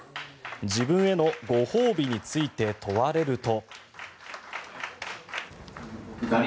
自分へのご褒美について問われると。